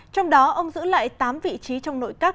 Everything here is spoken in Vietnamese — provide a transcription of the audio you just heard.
trong đó ông giữ lại tám vị trí trong nội các